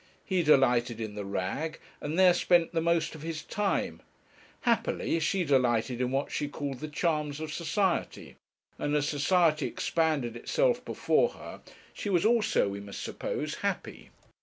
He delighted in the Rag, and there spent the most of his time; happily, she delighted in what she called the charms of society, and as society expanded itself before her, she was also, we must suppose, happy.